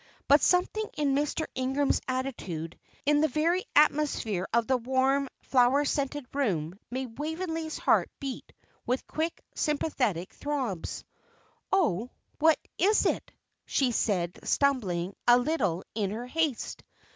But something in Mr. Ingram's attitude, in the very atmosphere of the warm, flower scented room, made Waveney's heart beat with quick, sympathetic throbs. "Oh, what is it?" she said, stumbling a little in her haste.